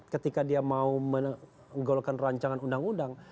ketika dia mau menggolokkan rancangan undang undang